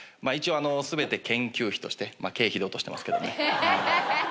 一応全て研究費として経費で落としてますけどもね。